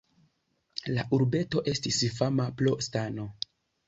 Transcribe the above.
La urbeto estis fama pro stano.